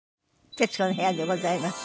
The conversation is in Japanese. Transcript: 『徹子の部屋』でございます。